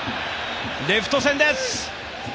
レフト線です。